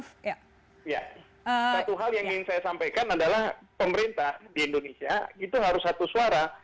satu hal yang ingin saya sampaikan adalah pemerintah di indonesia itu harus satu suara